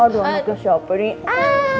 aduh anaknya siapa nih